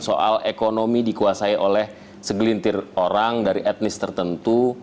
soal ekonomi dikuasai oleh segelintir orang dari etnis tertentu